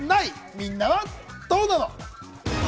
みんなはどうなの？